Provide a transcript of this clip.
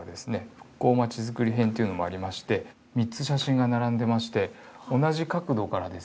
復興まちづくり編というのもありまして３つ写真が並んでまして同じ角度からですね